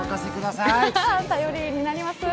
頼りになります。